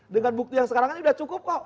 dengan bukti yang sekarang ini sudah cukup kok